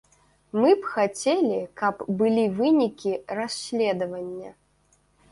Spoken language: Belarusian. Мы б хацелі, каб былі вынікі расследавання.